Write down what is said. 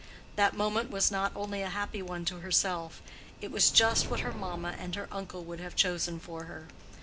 That moment was not only a happy one to herself—it was just what her mamma and her uncle would have chosen for her.